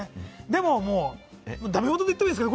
でもね、だめもとでも言っていいですか？